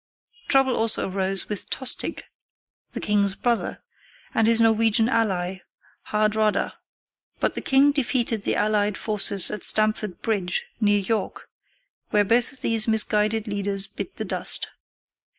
Trouble also arose with Tostig, the king's brother, and his Norwegian ally, Hardrada, but the king defeated the allied forces at Stamford Bridge, near York, where both of these misguided leaders bit the dust.